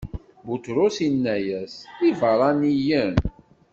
Buṭrus inna-as: D ibeṛṛaniyen.